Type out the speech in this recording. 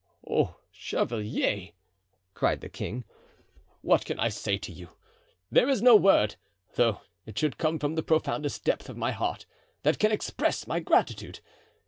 "Oh, chevalier!" cried the king, "what can I say to you? There is no word, though it should come from the profoundest depth of my heart, that can express my gratitude.